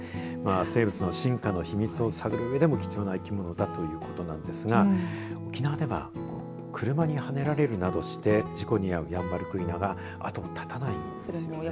生物の進化を探るためにも貴重な生き物ということですが沖縄では、車にはねられるなどして、事故に遭うヤンバルクイナが後を絶たないんですよね。